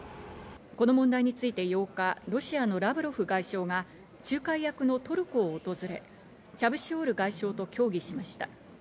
この問題について８日、ロシアのラブロフ外相が、仲介役のトルコを訪れ、チャブシオール外相と協議しました。